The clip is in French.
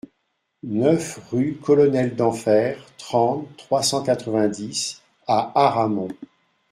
neuf rue Colonel Denfert, trente, trois cent quatre-vingt-dix à Aramon